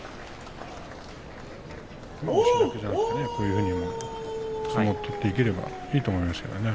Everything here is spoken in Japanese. こういうふうに相撲を取っていければいいですね。